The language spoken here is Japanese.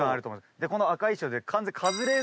でこの赤い衣装で完全。